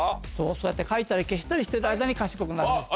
そうやって書いたり消したりしてる間に賢くなります。